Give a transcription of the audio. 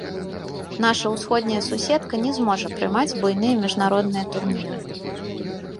Наша ўсходняя суседка не зможа прымаць буйныя міжнародныя турніры.